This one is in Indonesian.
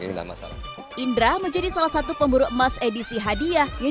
indra menjadi salah satu pemburu emas edisi hadiah yang